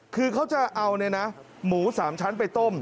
คือเขาจะเอาหมู๓ชั้นไปต้ม